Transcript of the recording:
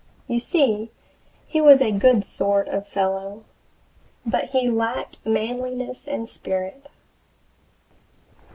You see he was a good sort of fellow, but he lacked manliness and spirit.